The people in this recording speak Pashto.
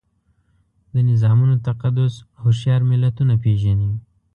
د نظامونو تقدس هوښیار ملتونه پېژني.